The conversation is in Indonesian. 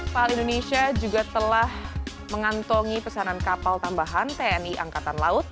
pal indonesia juga telah mengantongi pesanan kapal tambahan tni angkatan laut